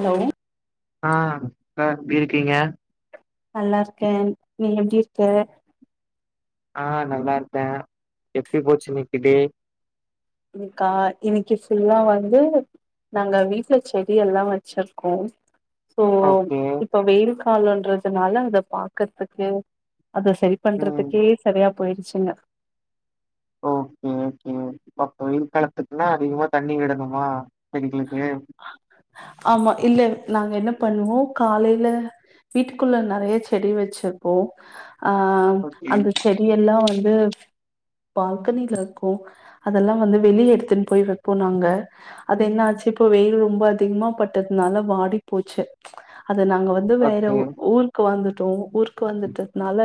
Hello ஆ க்கா எப்டி இருக்றீங்க நல்லா இருக்கேன் நீங்க எப்டி இருக்க ஆ நல்லாருக்க எப்டி போச்சு இன்னைக்கு டே இன்னிக்கா இன்னிக்கி ஃபுல்லா வந்து நாங்க வீட்ல செடியெல்லா வச்சிருக்கோ சோ ஓகே இப்ப வெயில் காலன்றதுனால அத பாக்கறதுக்கு அத செரி ம் பண்றதுக்கே சரியா போயிருச்சுங்க ஓகே ம் ம் ப்ப வெயில் காலத்துக்குன்னா அதிகமா தண்ணிவிடணுமா செடிகளுக்கு ஆமா இல்ல நாங்க என்ன பண்ணுவோ காலைல வீட்டுக்குள்ள நறைய செடி வச்சிருப்போ ஆ ஓகே அந்த செடி எல்லா வந்து பால்கனில இருக்கூ அதெல்லா வந்து வெளிய எடுத்துன் போய் வெப்போ நாங்க அது என்னா ச்சி இப்ப வெயில் ரொம்ப அதிகமா பட்டதுனால வாடி போச்சு அத நாங்க வந்து வேற ஓகே ஊர்க்கு வந்துட்டோ ஊர்க்கு வந்துட்டத்னால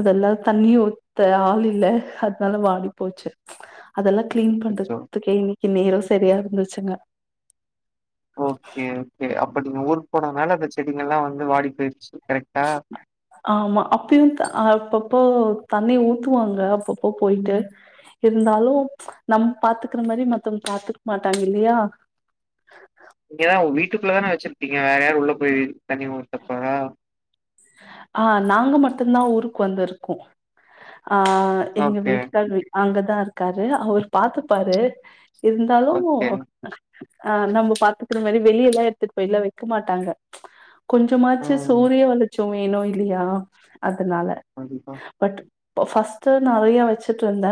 அதெல்லா தண்ணி ஊத்த ஆள் இல்ல அதனால வாடி போச்சு அதெல்லா கிளீன் அச்சச்சோ பண்றத்துக்கே இன்னைக்கி நேரோ சரியா இருந்துச்சுங்க ஓகே ஓகே அப்ப நீங்க ஊர்க்கு போனனால அந்த செடிங்கலா வந்து வாடி போயிட்ச்சி கரெக்ட்டா ஆமா அப்பையு ஆ அப்பப்போ தண்ணி ஊத்துவாங்க அப்பப்போ போயிட்டு இருந்தாலு நம்ம பாத்துக்கிற மாரி மத்தவுங்க பாத்துக்க மாட்டாங்க இல்லையா இங்கதா வீட்டுக்குள்ள தான வச்சிருப்பீங்க வேற யார் உள்ள போயி தனி ஊத்தப்போறா அ நாங்க மட்டுந்தா ஊருக்கு வந்திருக்கோ அ எங்க ஓகே வீட்டுக்காரு அங்கதா இருக்காரு அவுரு பாத்துப்பாரு இருந்தாலு ஓகே ஆ நம்ம பாத்துக்கிற மாரி வெளியல்லா எடுத்துட்டுப்போயிலா வெக்க மாட்டாங்க கொஞ்சமாச்சு ம் சூரிய வெளிச்சோ வேணு இல்லையா அதனால கண்டிப்பா பட் ஃப ஃபஸ்ட்டு நறையா வச்சுட்ருந்த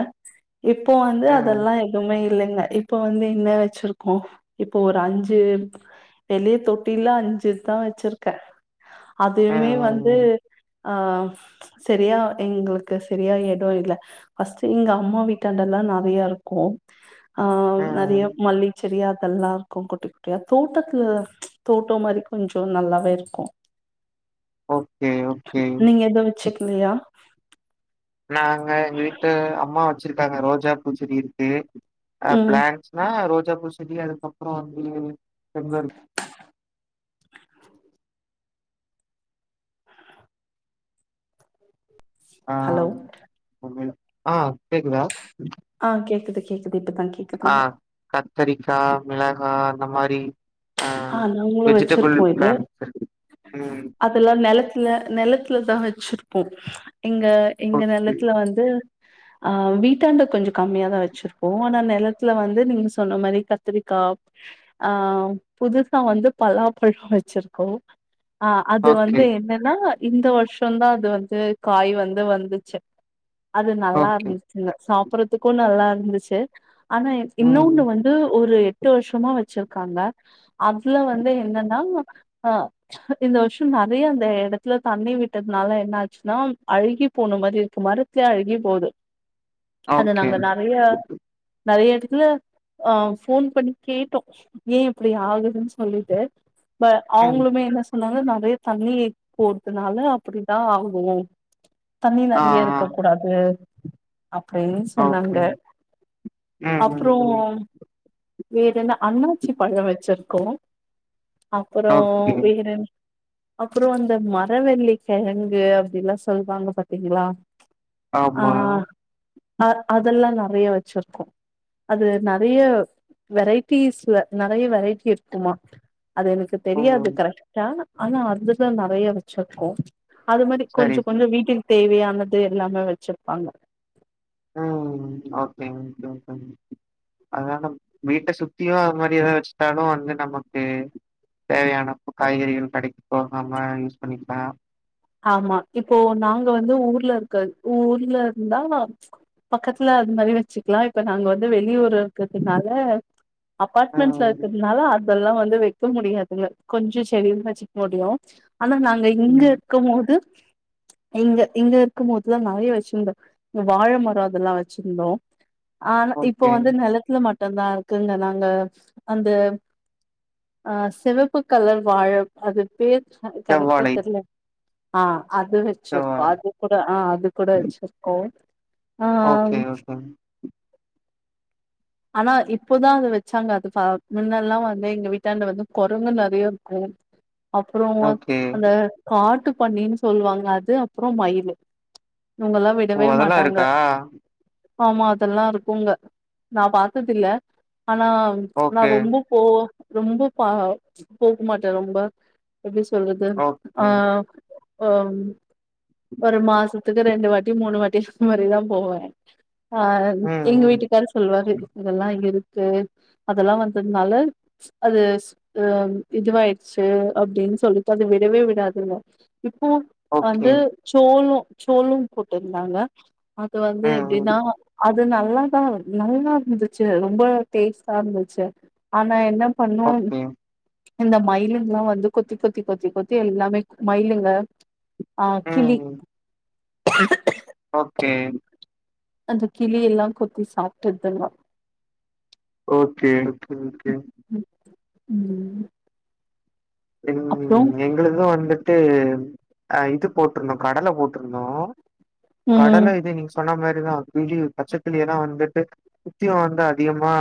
இப்போ வந்து ம் அதெல்லா எதுவுமே இல்லைங்க இப்ப வந்து என்ன வச்சிருக்கோ இப்போ ஒரு அஞ்சு வெளியே தொட்டில்ல அஞ்சுதா வச்சிருக்க இப்பையுமே ம் வந்து ம் ம் ஆ செரியா எங்களுக்கு செரியா எடொ இல்ல ஃபஸ்ட்டு எங்க அம்மா வீட்டாண்டல்லா நறைய இருக்கூ ஆ நறைய ம் மல்லிச் செடி அதெல்லா இருக்கு குட்டி குட் டியா தோட்டத்துல தோட்டோ மாரி கொஞ்சோ நல்லாவேருக்கூ ஓ நீங்க எது வச்சக்கிலியா நாங்க எங்க வீட்ல அம்மா வச்சிருக்காங்க ரோஜா பூச்செடி இருக்கு ஆ ம் பிளான்ட்ஸ் ஆ ரோஜா பூச்செடி அதுக்கப்பறோ வந்து பெங்கரு ஆ ஹலோ உமையில ஆ கேக்குதா ஆ கேக்குது கேக்குது இப்பதா கேக் ஆ கத்தரிக்கா மிளகா அந்த மாரி அ ஆ நாங்களு விஜிடெபிள் வச்சிருப்போ இது பிளான்ட்ஸ் ம் அதெல்லா நெலத்துல நெலத்துல தா வெச்சிருப்போ எங்க எங்க ஓகே நெலத்துல வந்து ஆ வீட்டாண்ட கொஞ்சோ கம்மியாதா வச்சிருப்போ ஆனா நெலத்துல வந்து நீங்க சொன்ன மாரி கத்திரிக்கா ஆ புதுசா வந்து பலாப்பழொ வச்சிருக்கோ ஆ அது ஓகே வந்து என்னன் னா இந்த வருஷந்தா அது வந்து காய் வந்து வந்துச்சு அது நல்லா ஓகே இருந்து இல்ல சாப்பற்றதுக்கு நல்லா இருந்துச்சு ஆனா ம் இன்னோன்னு வந்து ஒரு எட்டு வருஷமா வச்சுருக்காங்க அதுல வந்து என்னனா அ இந்த வருஷோ நெறைய அந்த எடத்துல தண்ணி விட்டதுனால என்ன ஆச்சுன்னா அழுகி போன மாரி இருக்க மாரு சே அழுகி போது அத ஓகே நாங்க நெறைய நெறைய எடத்துல ஆ ஃபோன் பண்ணி கேட்டோ ஏ இப்டி ஆகுதுன் சொல்லிட்டு ப ம் அவுங்களுமே என்ன சொன்னாங்க நெறைய தண்ணி போறதுனால அப்பிடிதா ஆகு தண்ணி ஆ நெறைய ஆ இருக்க கூடாது அப்டின் ஓகே சொன்னாங்க ம் ம் அப்றோ ம் வேற என்ன அண்ணாச்சி பழோ வச்சுருக்கோ அப்பறோ ஓகே வேற என் அப்பறோ அந்த மரவள்ளி கெழங்கு அப்டில்லா சொல்லுவாங்க பாத்தீங்களா ஆ ஆமா அ அதல்லா நெறைய வச்சுருக்கோ அது நெறைய வெரைட்டிஸ்ல நெறைய வெரைட்டி இருக்குமா அது எனக்கு தெரியாது ம் கரெக்டா ஆனா அதுதா நெறைய வச்சுருக்கோ அது மாரி கொஞ்ச சரி கொஞ்சோ ம் வீட்டுக்கு தேவையானது எல்லாமே வச்சுருப்பாங்க ஆ ம் ஓகேங்க [unintelligible] அதா நம் வீட்ட சுத்தியு அது மாரி எதா வச்சுட்டாலு வந்து நமக்கு தேவையான காய்கறிகள் கடைக்கு போகாம யூஸ் பண்ணிக்கலா ஆமா இப்போ நாங்க வந்து ஊர்ல இருக்கது ஊர்ல இருந்தா பக்கத்துல அது மாரி வச்சுக்கலா இப்ப நாங்க வந்து வெளியூர்ல இருக்கதுனால ஆ அப்பாட்மண்ட் சரகுள்னால அ இதல்லா வந்து வைக்க முடியாதுங்க கொஞ்சோ செடி வச்சுக்க முடியும் ஆனா நாங்க இங்க ம் க்கும்போது இங்க இங்க இருக்கும்போதுல்லா நெறைய வச்சிருந்தே வாழ மரோ அதல்லா வச்சுருந்தோ ஆனா இப்போ ஓகே வந்து நெலத்துல மட்டுந்தா இருக்குங்க நாங்க அந்த ஆ சிவப்பு கலர் வாழ அது பேர் கரெக்டா செவ்வாழை தெர்ல ஆ அது வச்சுருக்கோ செவ்வாழ அது கூட ஆ அது கூட வச்சுருக்கோ ஓகே ஓகேங்க ஆனா இப்போதா அது வச்சாங்க அது ஃப முன்னல்லா வந்து எங்க வீட்டாண்ட வந்து கொரங்கு நெறைய இருக்கு [inaudible] அப்பறோ ஓகே அந்த காட்டு பன்னின் சொல்லுவாங்க அது அப்பறோ மயிலு இவுங்கல்லா ஓ விடவே அதெல்லா மாட்டாங்க இருக்கா ஆமா அதல்லா இருக்குங்க நா பாத்ததில்ல ஆனா நா ஓகே ரொம்போ போ ரொம்ப பா போக மாட்டே ரொம்ப எப்டி சொல்றது ஆ ஓகே ஆ ஒரு மாசத்துக்கு ரெண்டு வாட்டி மூணு வாட்டி அந்த மாரிதா போவே அ ம் எங்க ம் வீட்டுக்காரு சொல்வாரு இதல்லா இருக்கு அதல்லா வந்ததுனால அது ஆ இதுவாயிருச்சு அப்டின் சொல்லிட்டு அது விடவே விடாதுக இப்போ வந்து ஓகே சோளோ சோளோம் போட்டிருந்தாங்க அது வந்து ம் ம் எப்டினா அது நல்லாதா நல்லா இருந்துச்சு ரொம்ப டேஸ்டா இருந்துச்சு ஆனா என்ன பண்ணோம் ஓகே இந்த மயிலுங்கல்லா வந்து கொத்தி கொத்தி கொத்தி கொத்தி எல்லாமே மயிலுங்க ஆ ம் கிளி ம் ஓகே அந்த கிளி எல்லா கொத்தி சாப்டுதுங்கோ ஓகே ஓகே ஓகே ம் எங் அப்றோ எங்களது வந்துட்டு அ இது போட்டுருந்தோ கடல போட்டுருந்தோ ம் கடல இது நீங்க சொன்ன மாரிதா கிளி பச்சகிளியெல்லா வந்துட்டு சுத்தியு வந்து அதிகமா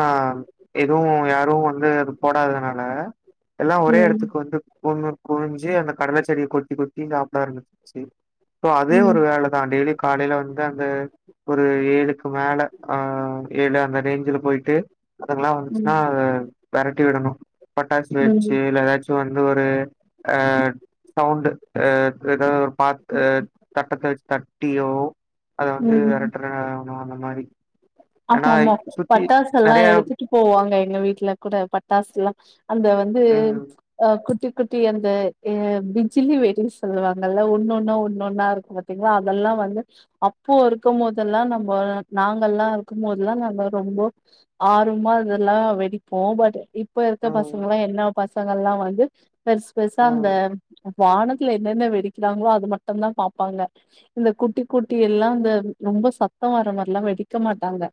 எதுவு யாரு வந்து அது போடாதனால எல்லா ஒரே எடத் ம் கொந்து ஒன்னு குவிஞ்சு அந்த கடல செடிய கொத்தி கொத்தி சாப்ட ஆரம்பிச்சிச்சு சோ அதே ஒரு ம் வேலதா டெய்லி காலையில வந்து அந்த ஒரு ஏழுக்கு மேல அ ஏழு அந்த ரேஞ்சுல போய்ட்டு அதுங்கல்லா வந்துச்சுன்னா ம் அத வெரட்டி விடணு பட்டாசு வச்சு ம் இல்ல ஏதாச் சு வந்து ஒரு அ சவுண்டு அ ஏதாவ்து ஒரு பாத் அ தட்ட கழிச்சி தட்டியோ அத வந்து ம் வெரட்டுற [inaudible] அந்த மாரி ஆமா ஏன்னா ஆமா சுத்தி பட்டாசு எல்லா நெறையா எடுத்துட்டு போவாங்க எங்க வீட்ல கூட பட்டாசு எல்லா அந்த வந்து ம், அ குட்டி குட்டி அந்த எ பிஜ்லி வெடி சொல்லுவாங்கல்ல ஒன்னொன்னா ஒன்னு ஒன்னா இருக்கு பாத்தீங்களா அதெல்லா வந்து அப்போ இருக்கு போதெல்லா நம்போ நாங்களெல்லா இருக்குமோதல்லா நம்ம ரொம்போ ஆர்வமா அதெல்லா வெடிப்போ பட் இப் இப்ப இருக்க ம், பசங்கலா என்ன பசங்களல்லா வந்து பெருசு பெருசா அந்த ம், வானத்துல என்னென்ன வெடிக்கிறாங்களோ அது மட்டுதா பாப்பாங்க இந்த குட்டி குட்டி எல்லா இந்த ரொம்ப சத்த வர மாரில்லா வெடிக்க மாட் டாங்க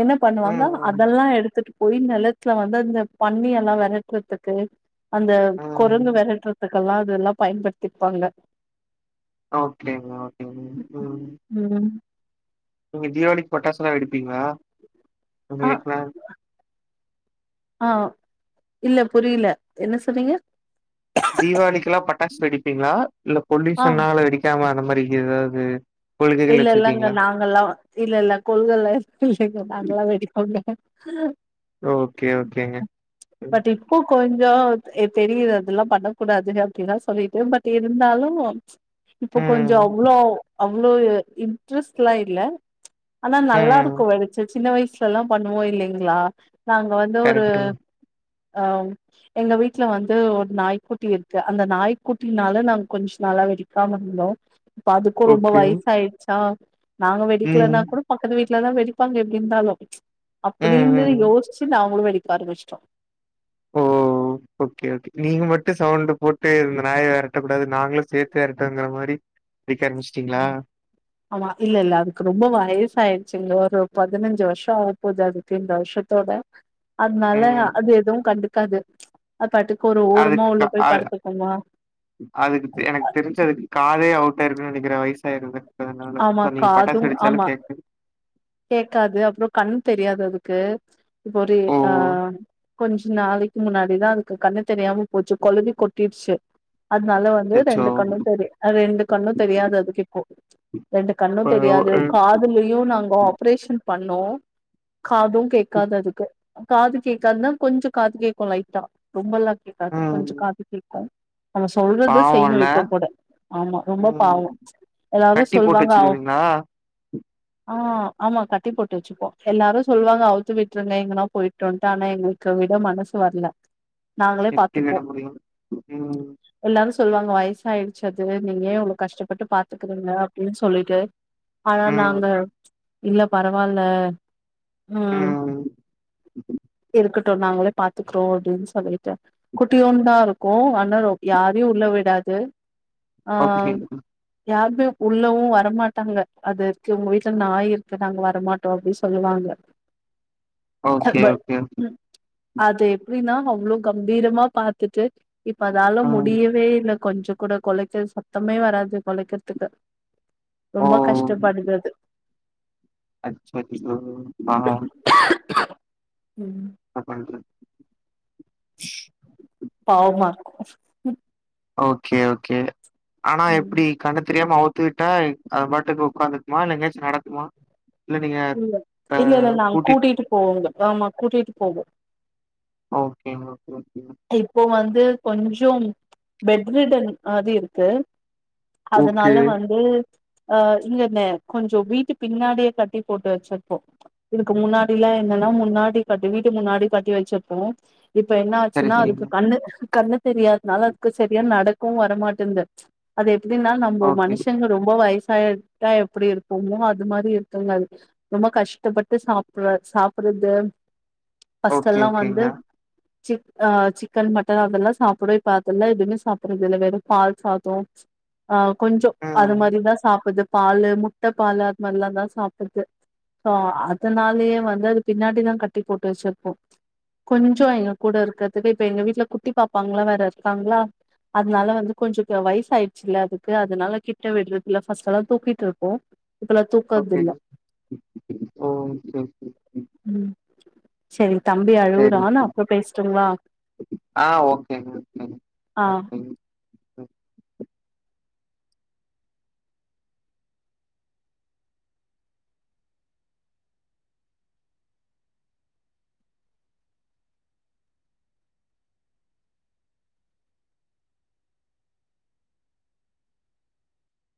என்ன ம், பண்ணுவாங்க ம், அதெல்லா எடுத்துட்டு போய் நெலத் துல வந்து அந்த பன்னி எல்லா விரட்டுறதுக்கு அந்த குரங்கு ம். விரட்டுறதுக் க்கெல்லா அதெல்லா பயன்படுத்திப்பாங்க ஓகேங்க ஓகேங்க ம் ம் நீங்க தீபாவளிக்கு பட்டாசு எல்லா வெடிப்பீங்களா உங்க ஆ விட்ல ஆ இல்ல புரியில என்ன சொல்றீங்க தீவளிக்கு எல்லா பட்டாஸ் வெடிப்பீங்களா இல்ல ஆ பொலுயூஷன்னால வெடிக்காம அந்த மாரி ஏதாவ்து இல்ல இல்லங்க நாங் கல்லா இல்ல இல்ல கொள்கைல்ல இல்லைங்க நாங்கல்லா வெடிப்போங்க ஓகே ஓகேங்க பட் இப்போ கொஞ்சோ தெரியுது அதெல்லா பண்ணக் கூடாதுனு அப்டில்லா சொல்லிட்டு பட் இருந்தாலு இப்ப கொஞ்சோ ம் அவ்ளோ அவ்ளோ இ இன்ட்ரெஸ்ட்லா இல்ல ஆனா நல்லா ம் இருக்கு வெடிச்சி சின்ன வய்சுல எல்லா பண்ணுவோ இல்லைங்களா நாங்க வந்து ஒரு கரெக்ட்டுங்க அ எங்க வீட்ல வந்து ஒரு நாய்க்குட்டி இருக்கு அந்த நாய்க்குட்டினால நாங்க கொஞ்ச நாளா வெடி க்காம இருந்தோ இப்ப அதுக்கு ரொம்ப ஓகே வய்சு ஆயிடுச்சா நாங்க ம் வெடிக்கலனா கூட பக்கத்து வீட்லலா வெடிப்பாங்க எப்டி இருந்தாலு ம் அப்டிந்து ம் யோசிச்சு நாங்களு வெடிக்க ஆரம்பிச்சிட்டோ ஓ ஓகே ஓகே நீங்க மட்டும் சவுண்டு போட்டு இந்த நாய வெரட்டக் கூடாது நாங்களு சேத்து வெரட்டுவோங்கிற மாரி வெடிக்க ஆரமிச்சிட்டீங்களா ஆமா இல்ல இல்ல அதுக்கு ரொம்ப வயசாயிடுச்சுங்க ஒரு பதினஞ்சு வருஷோ பூஜா இருக்கு இந்த வருஷத்தோட அதுனால ம் அது எதுவு கண்டுக்காது அது பாட்டுக்கு ஒரு ஓரமா அதுக்கு க உள்ள போய் அ படுத்துக்குமா அதுக்கு எனக் தெரிஞ்சு அதுக்கு காதே அவுட்டா ஆயிருக்குன் நனைக்கிற வயசு ஆயிருல அதனால ஆமா இப்ப நீங்க பட்டாசு காதும் வெடிச்சாலு ஆமா கேக் கேக்காது அப்றோ கண் தெரியாது அதுக்கு இப்ப ஒரு ஓ அ கொஞ்ச நாளைக்கி முன்னாடிதா அதுக்கு கண்ணு தெரியாம போச்சு கொழவி கொட்டிடுச்சி அதனால வந்து ரெண்டு அச்சச்சோ கண்ணு போது அ ரெண்டு கண்ணு தெரியாது அதுக்கு இப்போ ரெண்டு கண்ணு இப்ப தெரியாது ம் காதுலையு நாங்க ஆப்ரேஷன் பண்ணோ காது கேக்காது அதுக்கு காது கேட்காதுனா கொஞ்ச காது கேக்கு லைட்டா ரொம்பலா கேக்காது ம், கொஞ்ச காது கேக்கு நம்ம சொல்றத செய்யு பாவம்ல இப்ப கூட ஆமா ரொம்ப ம் பாவோ எல்லாரு கட்டி போட்டு சொல்லுவாங்க அவ் வச்சிருவீங்களா ஆ ஆமா கட்டி போட்டு வச்சிப்போ எல்லாரு சொல்லுவாங்க அவுத்து விட்டுருங்க எங்கன்னா போயிட்டுன்ட்டு ஆனா எங்களு க்கு விட மனசு வரல நாங்களே எப்டி பாத்துப்போ விட முடியும் ம் எல்லாரு சொல்லுவாங்க வயசா ஆயிடுச்சி அதுவே நீங்க ஏ இவ்ளோ கஷ்ட்டப்பட்டு பாத்துக்கறீங்க அப்டின்னு சொல்லிட்டு ஆனா ம் நாங்க இல்ல பரவால்ல ம் இருக்கட் டு நாங்களே பாத்துக்றோ அப்டின் சொல்லிட்டு குட்டியோன் தா இருக்கு வண்ணரு யாரையு உள்ள விடாது ஆ ஓகே யாருமே உள்ளவு வரமாட்டாங்க அது இருக்கு உங்க வீட்ல நாய் இருக்கு நாங்க வரமாட்டோ அப்டி சொல்லுவாங்க ஓகே அபல் ஓகே ம் அது எப்டின்னா அவ்ளோ கம்பீரமா பாத்துட்டு இப்ப அதால ம் முடியவே இல்ல கொஞ்சோ கூட கொலைக்ற சத்தமே வராது கொலைக்கிறதுக்கு ஓ ரொம்ப கஷ்டப்படுது அது அச்சச்சோ ஆ ம் தப்பா [unintelligible] பாவமா இருக்கு ஓகே ஓகே ஆனா ம் எப்டி கண்ணு தெரியாம அவுத்து விட்டா அத பாட்டுக்கு உக்காந்துக்குமா இல்ல எங்கயாச்சி நடக்குமா இல்ல நீங்க இல்ல அ இல்ல இல்ல நாங் கூட்டிட் கூட்டிட்டு போவோங்க ஆமா கூட்டிட்டு போவோ ஓகே ஓகே ஓகே இப்போ வந்து கொஞ்சம் பெட்மிட்டன் ஆது இருக்கு ஓகே அதனால வந்து அ இல்லண்ண கொஞ்சோ வீட்டுக் பின்னாடியே கட்டி போட்டு வச்சிருப்போ இதுக்கு முன்னாடிலா என்னன்னா முன்னாடி கட்டி வீட்டு முன்னாடி கட்டி வச்சிருப்போ இப்ப என்னா சரி ச்சுனா அதுக்கு சரிங்க கண்ணு கண்ணு தெரியாதனால அதுக்கு சரியா நடக்கவு வரமாட்டேந்து அது எப்டினா நம்போ ஓகே மனுஷங்க ரொம்ப வயசாயிட்டா எப்டி இருப்போமோ அது மாதி இருக்குங்க அது ரொம்ப கஷ்டப்பட்டு சாப்பற சாப்பறது ஓகே ஃபர்ஸ்ட்ல்லா ஓகேங்க வந்து சிக் ஆ சிக்கன் மட்டன் அதல்லா சாப்டு இப்ப அதல்லா எதுமே சாப்பறத்தில்ல வேறு பால் சாதோ ஆ கொஞ்சோ அது ம் மாதிரிதா சாப்புத்து பாலு முட்ட பாலு அது மாதிரிலாந் தா சாப்புட்து சோ அதனாலயே வந்து அது பின்னாடிதா கட்டி போட்டு வெச்சிருப்போ கொஞ்சோ எங்க கூட இருக்கற்துவே இப்ப எங்க வீட்ல குட்டி பாப்பாங்ளா வேற இருக்காங்ளா அதனால வந்து கொஞ்சோ வயசு ஆயிடுச்சுல்ல அதுக்கு அதனால கிட்ட விட்றதுல்ல ஃபர்ஸ்ட்டல்லா தூக்கிட்டு ருப்போ ஓகேங்க ஓகேங்க ம் செரி தம்பி அழுவுறா நா சரிங்க. அப்ரோ பேசட்டுங்ளா ஆ ஓகேங்க ஓகேங்க ஆ ஓகேங்க